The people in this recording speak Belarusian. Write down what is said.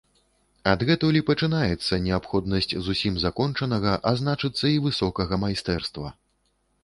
Адгэтуль і пачынаецца неабходнасць зусім закончанага, а значыцца, і высокага майстэрства.